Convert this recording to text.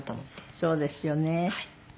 そうですよね。